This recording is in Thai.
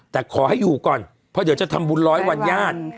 แต่ขอให้อยู่ก่อนเพราะเดี๋ยวจะทำบุญร้อยวันญาติ